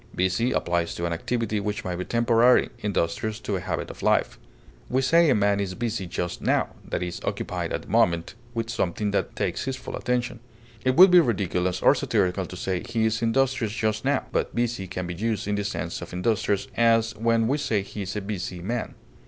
Busy applies to an activity which may be temporary, industrious to a habit of life. We say a man is busy just now; that is, occupied at the moment with something that takes his full attention. It would be ridiculous or satirical to say, he is industrious just now. But busy can be used in the sense of industrious, as when we say he is a busy man.